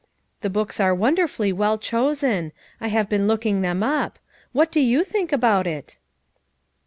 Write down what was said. The books are won derfully well chosen; I've been looking them up. What do you think about it?"